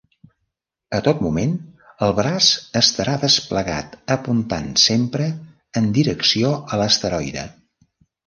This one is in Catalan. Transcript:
A tot moment el braç estarà desplegat apuntant sempre en direcció a l'asteroide.